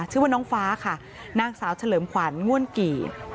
ชื่อว่าน้องฟ้าค่ะนางสาวเฉลิมขวัญง่วนกี่